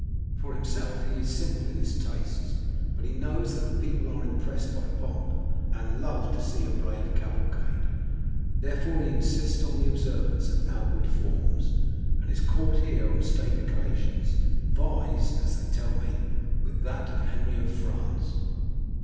"For himself he is simple in his tastes, but he knows that the people are impressed by pomp, and love to see a brave cavalcade, therefore he insists on the observance of outward forms; and his court here on state occasions vies, as they tell me, with that of Henry of France."